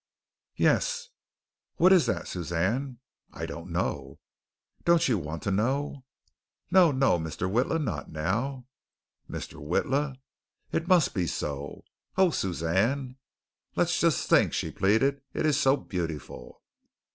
"Yes." "What is that, Suzanne?" "I don't know." "Don't you want to know?" "No, no, Mr. Witla, not now." "Mr. Witla?" "It must be so." "Oh, Suzanne!" "Let's just think," she pleaded, "it is so beautiful."